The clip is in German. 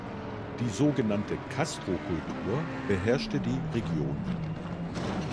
Die so genannte Castrokultur beherrschte die Region.